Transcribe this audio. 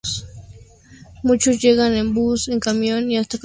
Muchos llegan en bus, en camión y hasta caminando.